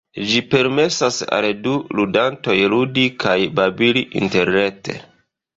Ĝi permesas al du ludantoj ludi kaj babili interrete.